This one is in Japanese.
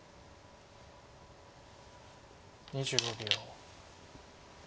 ２５秒。